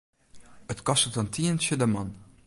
It kostet in tientsje de man.